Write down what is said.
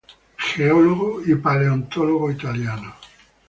Geólogo y paleontólogo italiano.